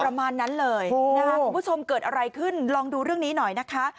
ประมาณนั้นเลยนะคะคุณผู้ชมเกิดอะไรขึ้นลองดูเรื่องนี้หน่อยนะคะ